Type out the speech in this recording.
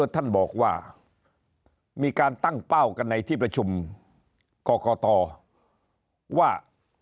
ท่านบอกว่ามีการตั้งเป้ากันในที่ประชุมกรกตว่า